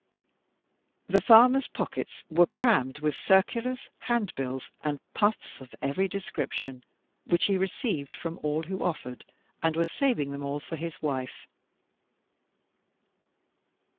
The farmer's pockets were crammed with circulars, handbills, and puffs of every description, which he received from all who offered, and was saving them all for his wife.